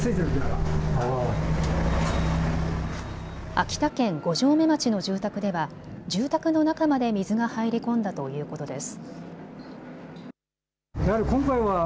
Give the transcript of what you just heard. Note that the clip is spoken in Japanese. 秋田県五城目町の住宅では住宅の中まで水が入り込んだということです。